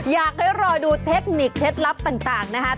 อยากให้รอดูเทคนิคเคล็ดลับต่างนะครับ